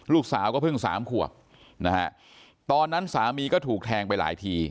ลูกสาวก็เพิ่งสามขวบนะฮะตอนนั้นสามีก็ถูกแทงไปหลายที